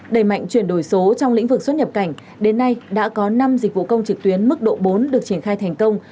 đẩy mạnh chuyển đổi số trong lĩnh vực xuất nhập cảnh đến nay đã có năm dịch vụ công trực tuyến mức độ bốn được triển khai thành công